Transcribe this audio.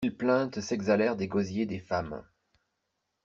Mille plaintes s'exhalèrent des gosiers des femmes.